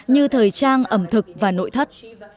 như thời trang ẩm thực và nội thất